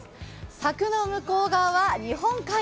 柵の向こう側は日本海。